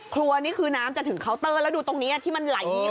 ครัวนี่คือน้ำจะถึงเคาน์เตอร์แล้วดูตรงนี้อ่ะที่มันไหลนี้เข้ามา